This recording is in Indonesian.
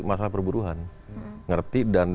masalah perburuan ngerti dan